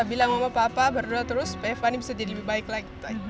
bila mama papa berdoa terus eva ini bisa jadi lebih baik lagi